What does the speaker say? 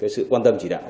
sự quan tâm chỉ đạo